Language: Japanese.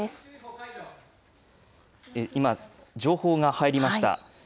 今、情報が入りました。